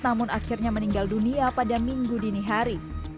namun akhirnya meninggal dunia pada minggu dinihari